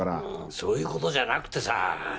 そういう事じゃなくてさあ。